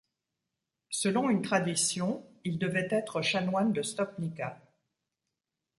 Selon une tradition il devait être chanoine de Stopnica.